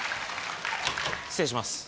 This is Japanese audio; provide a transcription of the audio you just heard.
失礼します。